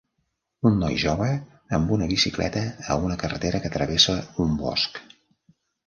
Un noi jove amb una bicicleta a una carretera que travessa un bosc.